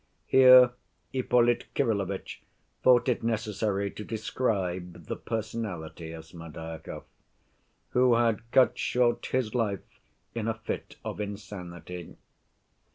Here Ippolit Kirillovitch thought it necessary to describe the personality of Smerdyakov, "who had cut short his life in a fit of insanity."